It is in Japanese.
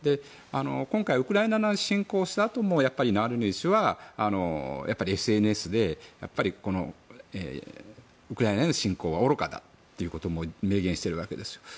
今回ウクライナに侵攻したあともナワリヌイ氏はＳＮＳでウクライナへの侵攻は愚かだということも明言しているわけです。